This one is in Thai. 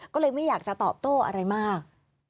ก็เลยไม่อยากจะตอบโต้อะไรมาก